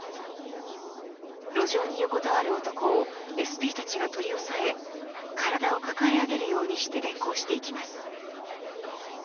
路上に横たわる男をＳＰたちが取り押さえ体を抱え上げるようにして連行していきます。